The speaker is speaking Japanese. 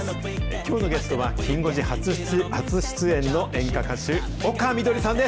きょうのゲストは、きん５時初出演の演歌歌手、丘みどりさんです。